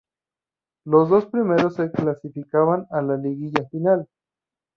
Los dos primeros se clasificaban a la liguilla final.